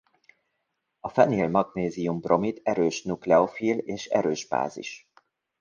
A fenil-magnézium-bromid erős nukleofil és erős bázis.